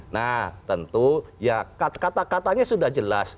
nah tentu ya kata katanya sudah jelas